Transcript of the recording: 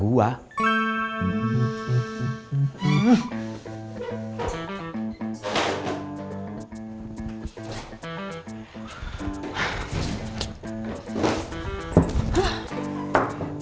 emosi ya nih sekeluarga